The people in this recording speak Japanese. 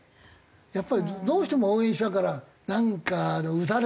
やっぱりどうしても応援しちゃうからなんか打たれるとうわっ！